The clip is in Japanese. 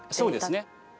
そうですね。